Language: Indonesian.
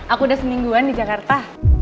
aku udah semingguan di jakarta